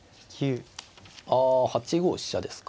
あ８五飛車ですか。